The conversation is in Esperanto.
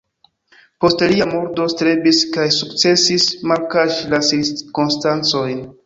Post lia murdo strebis kaj sukcesis malkaŝi la cirkonstancojn.